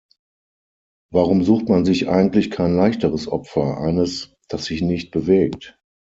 Warum sucht man sich eigentlich kein leichteres Opfer, eines, das sich nicht bewegt?